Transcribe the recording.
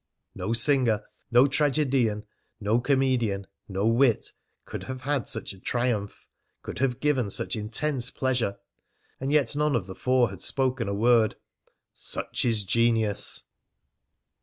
No singer, no tragedian, no comedian, no wit, could have had such a triumph, could have given such intense pleasure. And yet none of the four had spoken a word. Such is genius!